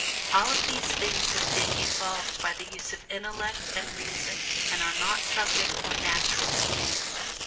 All of these things have been evolved by the use of intellect and reason, and are not instinctive or "natural" to man.